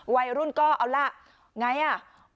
วัยรุ่นก็เอาล่ะหม่ายอย่างไร